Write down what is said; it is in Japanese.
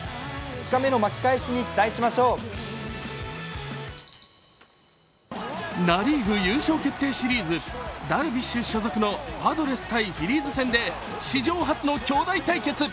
２日目の巻き返しに期待しましょうナ・リーグ優勝決定シリーズダルビッシュ所属のパドレス×フィリーズ戦で史上初の兄弟対決。